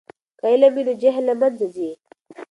که علم وي نو جهل له منځه ځي.